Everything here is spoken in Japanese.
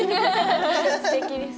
すてきです。